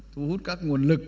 thu hút các nguồn lực